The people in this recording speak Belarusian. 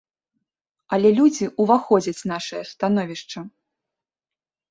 Але людзі ўваходзяць нашае становішча.